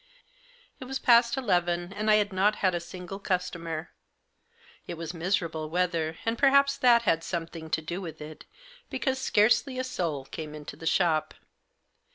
It was past eleven, and I had not had a single customer ; it was miserable weather, and perhaps that had something to do with it, because scarcely a soul came into the shop.